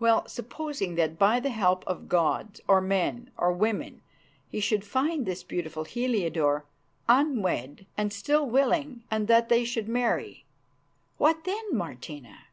Well, supposing that by the help of gods or men or women he should find this beautiful Heliodore, unwed and still willing, and that they should marry. What then, Martina?"